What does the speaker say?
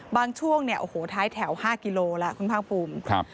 ช่วงเนี่ยโอ้โหท้ายแถว๕กิโลล่ะคุณภาคภูมิ